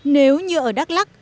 nếu như ở đắk lắk